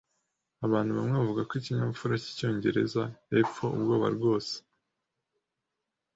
Abantu bamwe bavuga ko ikinyabupfura cyicyongereza, hepfo, ubwoba rwose.